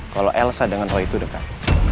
kalau elsa dengan oh itu dekat